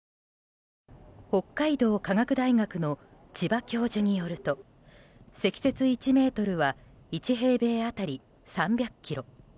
北海道科学大学の千葉教授によると積雪１ｍは１平米当たり３００ｋｇ。